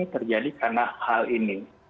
terjadi karena hal ini